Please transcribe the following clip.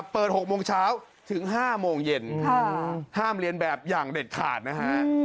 ๖โมงเช้าถึง๕โมงเย็นห้ามเรียนแบบอย่างเด็ดขาดนะฮะ